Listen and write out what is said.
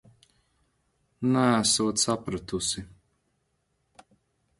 Neesot sapratusi...